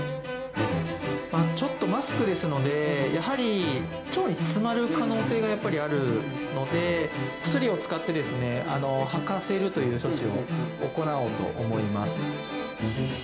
ちょっとマスクですので、やはり、腸に詰まる可能性がやっぱりあるので、お薬を使って吐かせるという処置を行おうと思います。